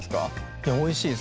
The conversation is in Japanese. いやおいしいですね。